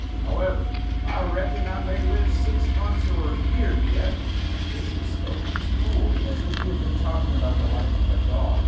However I reckon I may live six months or a year yet." This was spoken as coolly as if he had been talking about the life of a dog.